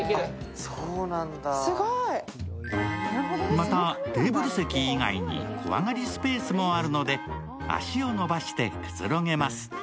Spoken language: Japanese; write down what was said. また、テーブル席以外に小上がりスペースもあるので、足を伸ばしてくつろげます。